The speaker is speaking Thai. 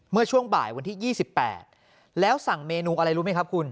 เมื่อช่วงบ่ายวันที่๒๘แล้วสั่งเมนูอะไรรู้ไหมครับคุณ